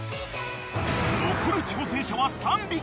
［残る挑戦者は３匹！